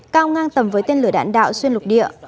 cao ngang tầm với tên lửa đạn đạo xuyên lục địa